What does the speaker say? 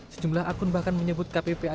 sejumlah akun bahkan menyebut kppad melindungi barat